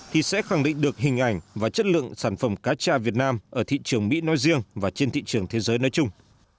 thì sẽ khẳng định được hình ảnh và chất lượng sản phẩm cá cha việt nam ở thị trường mỹ nói riêng và trên thị trường thế giới nói chung